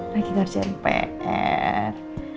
lagi kerjain pr